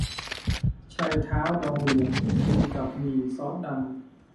ไชเท้าดองเหลือง กินกับหมี่ซอสดำ